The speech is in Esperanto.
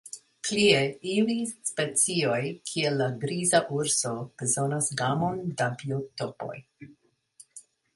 Plie, iuj specioj, kiel la griza urso, bezonas gamon da biotopoj.